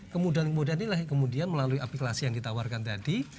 kemudahan kemudahan inilah yang kemudian melalui aplikasi yang ditawarkan tadi